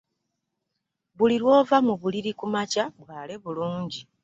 Buli lwova mu buliri ku makya, bwale bulungi.